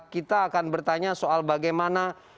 kita akan bertanya soal bagaimana